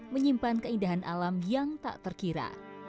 menyimpan keindahan alam yang tak terkira